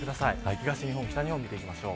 東日本、北日本見ていきましょう。